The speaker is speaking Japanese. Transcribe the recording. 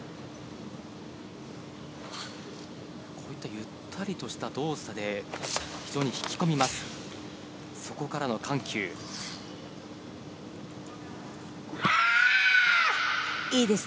ゆったりとした動作で、非常に引き込みます。